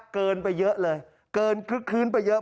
เกินไปเยอะเลยเกินคลึกคลื้นไปเยอะ